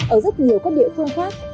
ở rất nhiều các địa phương khác